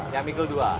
yang mikul dua